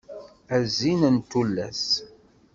A zzin n tullas.